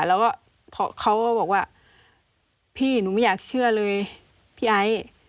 แล้วก็เขาก็บอกว่าพี่หนูไม่อยากเชื่อเลยพี่ไอ้